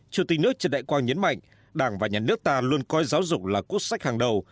chủ tịch nước trần đại quang nhấn mạnh đảng và nhà nước ta luôn coi giáo dục là quốc sách hàng đầu